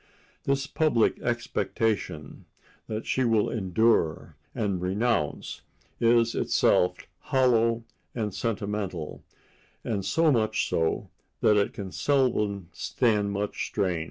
This public expectation that she will endure and renounce is itself hollow and sentimental, and so much so that it can seldom stand much strain.